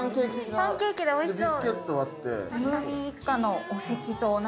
パンーキでおいしそう。